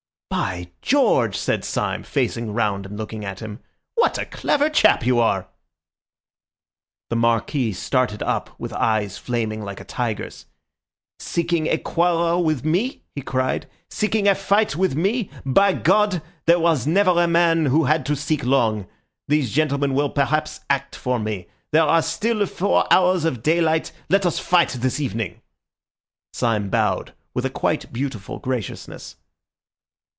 "By George!" said Syme, facing round and looking at him, "what a clever chap you are!" The Marquis started up with eyes flaming like a tiger's. "Seeking a quarrel with me!" he cried. "Seeking a fight with me! By God! there was never a man who had to seek long. These gentlemen will perhaps act for me. There are still four hours of daylight. Let us fight this evening." Syme bowed with a quite beautiful graciousness.